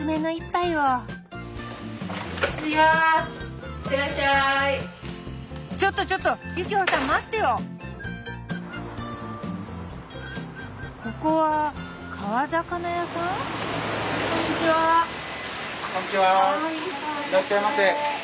いらっしゃいませ。